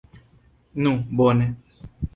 Nu, bone!